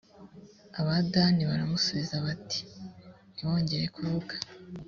abadani baramusubiza bati ntiwongere kuvuga